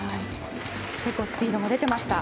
スピードも出ていました。